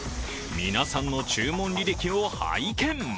皆さんの注文履歴を拝見。